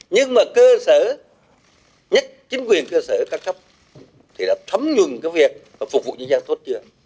nhưng mà cơ sở nhất chính quyền cơ sở các cấp thì đã thấm nhung cái việc và phục vụ nhân dân tốt chưa